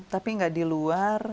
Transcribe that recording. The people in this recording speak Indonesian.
tapi nggak di luar